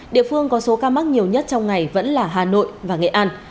địa phương có số ca mắc nhiều nhất trong ngày vẫn là hà nội và nghệ an